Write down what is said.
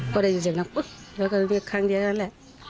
ก็ได้ยินเสียงดังปุ๊บแล้วก็เรียกครั้งเดียวเท่านั้นแหละ